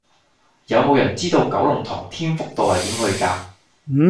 有無人知道九龍塘添福道係點去㗎